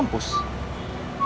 walaupun aku sudah nangkat